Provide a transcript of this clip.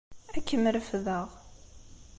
Ad kem-refdeɣ.